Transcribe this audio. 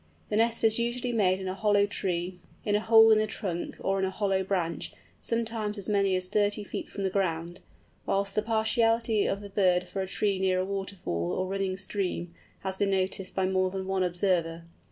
The nest is usually made in a hollow tree, in a hole in the trunk, or in a hollow branch, sometimes as many as thirty feet from the ground; whilst the partiality of the bird for a tree near a waterfall, or running stream, has been noticed by more than one observer.